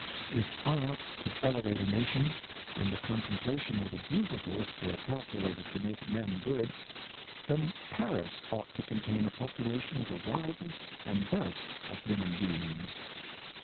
If art could elevate a nation, and the contemplation of The Beautiful were calculated to make men good — then Paris ought to contain a population of the wisest and best of human beings.